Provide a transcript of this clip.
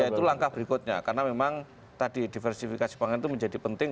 ya itu langkah berikutnya karena memang tadi diversifikasi pangan itu menjadi penting